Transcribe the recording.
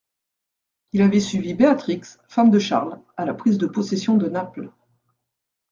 Il avait suivi Béatrix, femme de Charles, à la prise de possession de Naples.